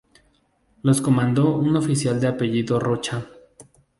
Los comandó un oficial de apellido Rocha.